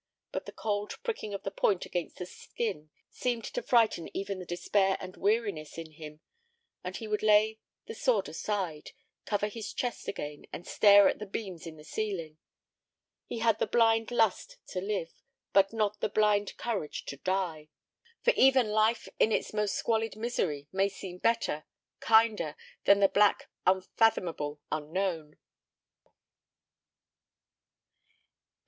But the cold pricking of the point against the skin seemed to frighten even the despair and weariness in him, and he would lay the sword aside, cover his chest again, and stare at the beams in the ceiling. He had the blind lust to live, but not the blind courage to die. For even life in its most squalid misery may seem better, kinder than the black, unfathomable unknown.